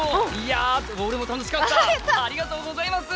俺も楽しかった、ありがとうございます！